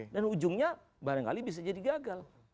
dan ujungnya barangkali bisa jadi gagal